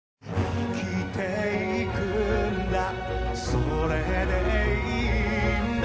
「生きていくんだそれでいいんだ」